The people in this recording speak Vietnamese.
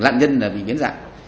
nạn nhân bị biến dạng